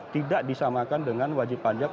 tidak disamakan dengan wajib pajak